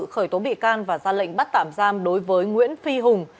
khởi tố bị can và ra lệnh bắt tạm giam đối với nguyễn phi hùng